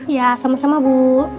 ya sama sama bu